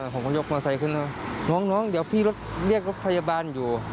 ผมก็ยกมอเซย์ขึ้นแล้วน้องเดี๋ยวพี่รถเรียกรถพยาบาลอยู่